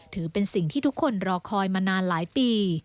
ถือเป็นสิ่งที่ทุกคนรอคอยมานานหลายปี